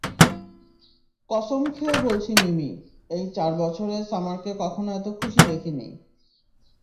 কসম খেয়ে বলছি মিমি, এই চার বছরে সামারকে কখনো এতো খুশী দেখিনি।